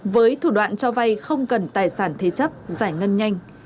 với thủ đoạn cho vay không cần tài sản thế chấp giải ngân nhanh